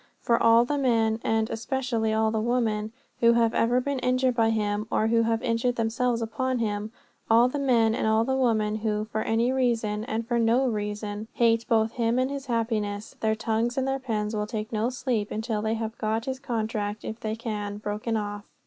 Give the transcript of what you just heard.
For all the men, and, especially, all the women, who have ever been injured by him, or who have injured themselves upon him; all the men and all the women who for any reason, and for no reason, hate both him and his happiness, their tongues and their pens will take no sleep till they have got his contract if they can, broken off.